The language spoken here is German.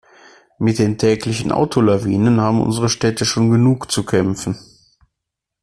Mit den täglichen Autolawinen haben unsere Städte schon genug zu kämpfen.